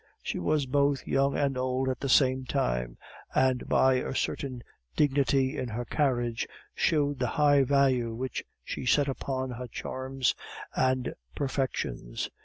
She was both young and old at the same time, and, by a certain dignity in her carriage, showed the high value which she set upon her charms and perfections.